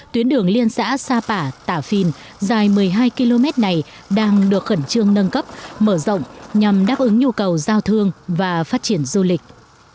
tuyến đường liên xã sapa tả phìn dài một mươi hai km này đang được khẩn trương nâng cấp mở rộng nhằm đáp ứng nhu cầu giao thương và phát triển du lịch